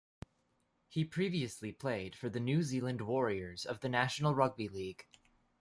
He previously played for the New Zealand Warriors of the National Rugby League.